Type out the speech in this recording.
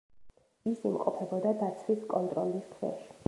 ის იმყოფებოდა დაცვის კონტროლის ქვეშ.